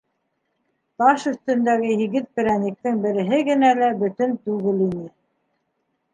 Таш өҫтөндәге һигеҙ перәниктең береһе генә лә бөтөн түгел ине.